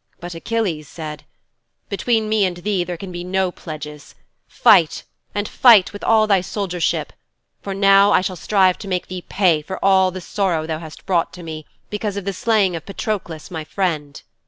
"' 'But Achilles said, "Between me and thee there can be no pledges. Fight, and fight with all thy soldiership, for now I shall strive to make thee pay for all the sorrow thou hast brought to me because of the slaying of Patroklos, my friend."'